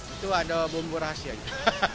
itu ada bumbu rasanya